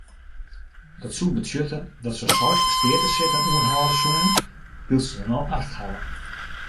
Dat soe betsjutte dat se seis steatesitten oerhâlde soenen wylst se no acht hawwe.